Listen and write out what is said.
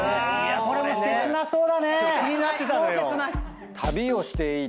これも切なそうだね。